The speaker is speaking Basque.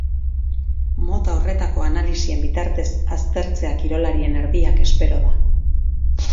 Mota horretako analisien bitartez aztertzea kirolarien erdiak espero da.